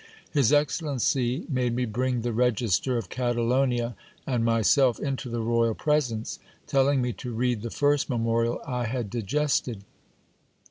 His excel lency made me bring the register of Catalonia and myself into the royal pre sence ; telling me to read the first memorial I had digested.